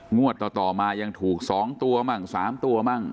งวดต่อมายังถูก๒ตัวมั่ง๓ตัวมั่ง